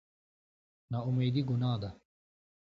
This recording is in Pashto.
نااميدي ګناه ده